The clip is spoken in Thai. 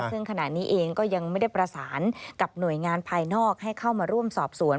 ซึ่งขณะนี้เองก็ยังไม่ได้ประสานกับหน่วยงานภายนอกให้เข้ามาร่วมสอบสวน